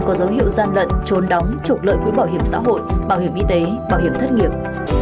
có dấu hiệu gian lận trốn đóng trục lợi quỹ bảo hiểm xã hội bảo hiểm y tế bảo hiểm thất nghiệp